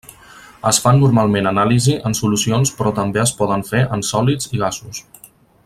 Es fan normalment anàlisi en solucions però també es poden fer en sòlids i gasos.